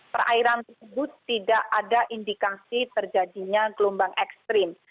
perairan tersebut tidak ada indikasi terjadinya gelombang ekstrim